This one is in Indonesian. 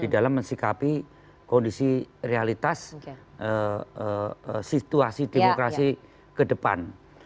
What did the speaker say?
di dalam mensikapi kondisi realitas situasi demokrasi ke depan